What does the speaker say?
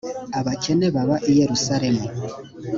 abakene baba i yerusalemu.